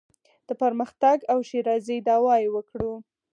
د پرمختګ او ښېرازۍ دعوا یې وکړو.